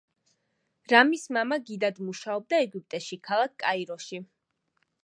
რამის მამა გიდად მუშაობდა ეგვიპტეში, ქალაქ კაიროში.